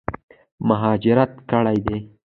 مهاجرت کړی دی.